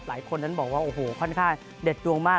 หลายคนนั้นบอกว่าโอ้โหค่อนข้างเด็ดดวงมาก